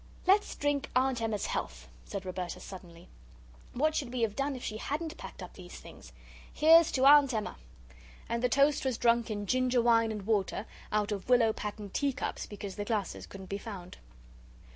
"Let's drink Aunt Emma's health," said Roberta, suddenly; "what should we have done if she hadn't packed up these things? Here's to Aunt Emma!" And the toast was drunk in ginger wine and water, out of willow patterned tea cups, because the glasses couldn't be found.